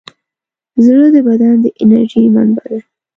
زړه د بدن د انرژۍ منبع ده.